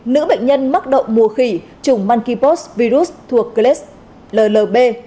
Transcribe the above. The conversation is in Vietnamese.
nữ bệnh nhân mắc động mùa khỉ chủng monkeypox virus thuộc gls llb